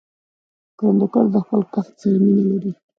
کروندګر د خپل کښت سره مینه لري